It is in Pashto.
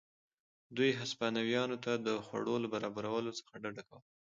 دوی هسپانویانو ته د خوړو له برابرولو څخه ډډه کوله.